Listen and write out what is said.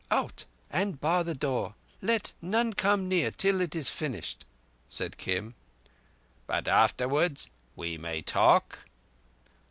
"Out and bar the door! Let none come near till it is finished," said Kim. "But afterwards—we may talk?"